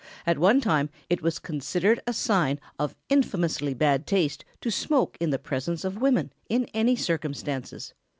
At one time it was considered a sign of infamously bad taste to smoke in the presence of women in any circumstances.